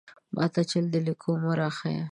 ماته چل د ليکلو مۀ راښايه!